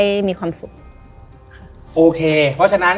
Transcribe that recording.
และยินดีต้อนรับทุกท่านเข้าสู่เดือนพฤษภาคมครับ